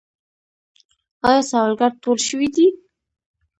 آیا سوالګر ټول شوي دي؟